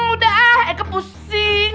udah ah eke pusing